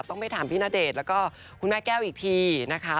ต้องไปถามพี่ณเดชน์แล้วก็คุณแม่แก้วอีกทีนะคะ